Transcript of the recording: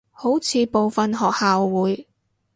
好似部份學校會